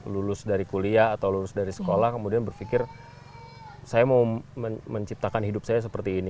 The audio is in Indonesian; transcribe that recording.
lulus dari kuliah atau lulus dari sekolah kemudian berpikir saya mau menciptakan hidup saya seperti ini